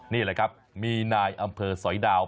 นี่แหละครับมีนายอำเภอสอยดาว